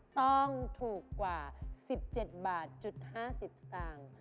ต้องถูกกว่า๑๗บาท๐๕๐ซาง